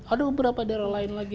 ada beberapa daerah lain lagi